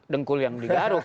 dengkul yang digaruk